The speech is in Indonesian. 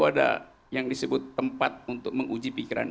ada yang disebut tempat untuk menguji pikiran